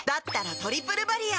「トリプルバリア」